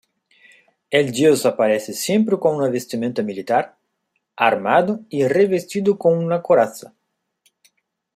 El dios aparece siempre con vestimenta militar, armado y revestido con una coraza.